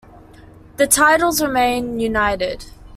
The titles remain united.